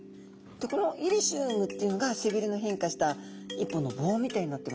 でこのイリシウムっていうのが背びれの変化した１本の棒みたいになっています。